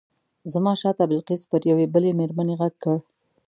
زما شاته بلقیس پر یوې بلې مېرمنې غږ کړ.